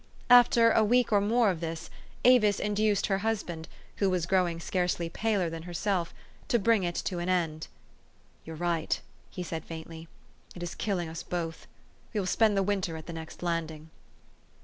After a week or more of this, Avis induced her husband, who was growing scarcely paler than herself, to bring it to an end. "You're right," he said faintly. "It is killing us both. We will spend the winter at the next landing.